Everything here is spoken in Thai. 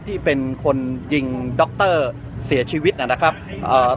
ที่เป็นคนยิงดอกเตอร์เสียชีวิตน่ะนะครับอ่า